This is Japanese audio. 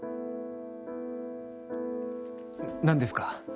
何ですか？